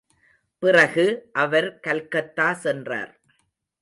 பிறகு, அவர் கல்கத்தா சென்றார்.